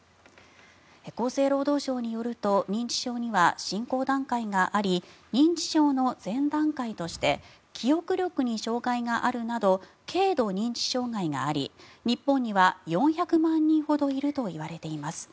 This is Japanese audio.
厚生労働省によると認知症には進行段階があり認知症の前段階として記憶力に障害があるなど軽度認知障害があり日本には４００万人ほどいるといわれています。